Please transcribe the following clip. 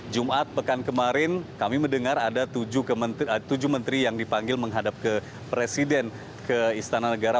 jumat pekan kemarin kami mendengar ada tujuh menteri yang dipanggil menghadap ke presiden ke istana negara